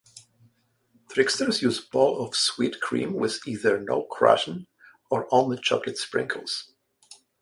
Tricksters use balls of Sweet Cream with either no Crush'n or only chocolate sprinkles.